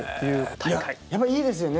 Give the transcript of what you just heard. やっぱいいですよね。